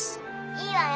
いいわよ。